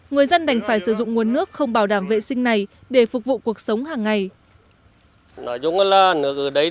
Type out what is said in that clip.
người dân đành phải sử dụng nguồn nước không bảo đảm vệ sinh này để phục vụ cuộc sống hàng ngày